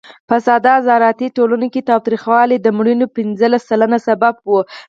په ساده زراعتي ټولنو کې تاوتریخوالی د مړینو پینځلس سلنه سبب و.